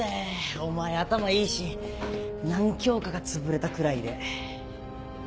お前頭いいし何教科かつぶれたくらいで。